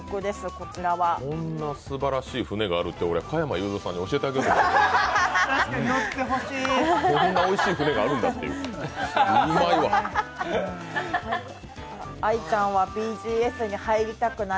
こんなにすばらしい船があるって加山雄三さんに教えてあげようかな。